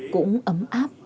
cũng ấm áp